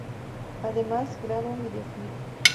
Además, graba un videoclip.